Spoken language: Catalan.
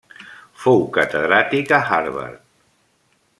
Fou catedràtic a Harvard.